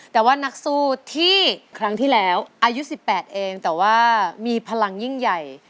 แต่ว่านักสู้ที่ครั้งที่แล้วอายุ๑๘เองแต่ว่ามีพลังยิ่งใหญ่